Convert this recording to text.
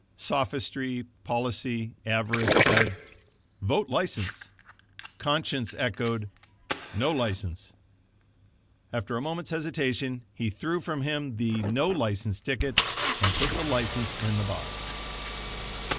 Sophistry, policy, avarice said: "Vote License." Conscience echoed: "No License." After a moment's hesitation, he threw from him the No License ticket and put the License in the box.